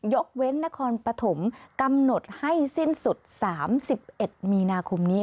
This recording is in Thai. ยกเว้นนครปฐมกำหนดให้สิ้นสุด๓๑มีนาคมนี้